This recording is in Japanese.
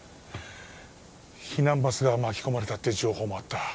避難バスが巻き込まれたっていう情報もあった